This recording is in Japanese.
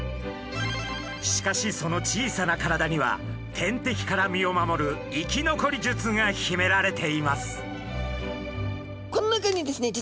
しかしその小さな体には天敵から身を守る生き残り術が秘められています。